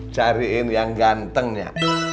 cariin yang gantengnya